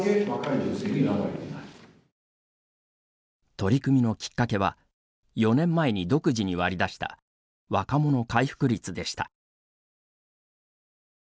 取り組みのきっかけは４年前に独自に割り出した若者回復率でした。